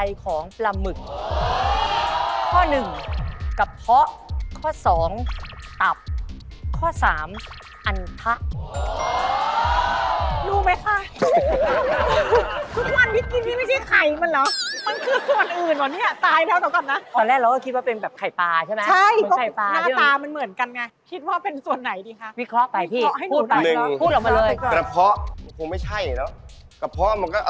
ตอนแรกเราก็คิดว่าเป็นแบบไข่ปลาใช่มั้ย